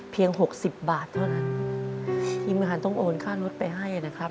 หกสิบบาทเท่านั้นทีมงานต้องโอนค่ารถไปให้นะครับ